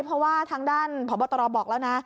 เพราะว่าทางด้านพบตรบอกแล้วนะ